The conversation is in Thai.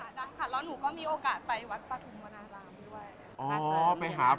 ได้ค่ะแล้วหนูก็มีโอกาสไปวัดปฐุมวนารามด้วย